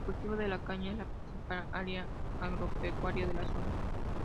El cultivo de la caña es la principal área agropecuaria de la zona.